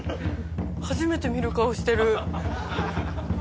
初めて見る顔してる。